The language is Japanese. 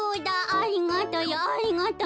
ありがたやありがたや。